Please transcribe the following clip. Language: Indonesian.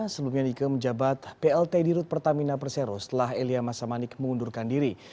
sebelumnya nike menjabat plt di rut pertamina persero setelah elia masamanik mengundurkan diri